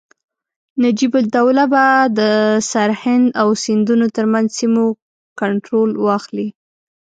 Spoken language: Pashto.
نجیب الدوله به د سرهند او سیندونو ترمنځ سیمو کنټرول واخلي.